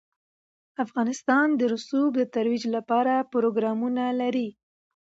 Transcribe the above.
افغانستان د رسوب د ترویج لپاره پروګرامونه لري.